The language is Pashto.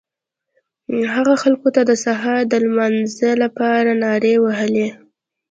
هغه خلکو ته د سهار د لمانځه لپاره نارې وهلې.